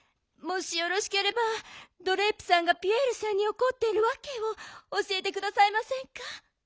もしよろしければドレープさんがピエールさんにおこっているわけをおしえてくださいませんか？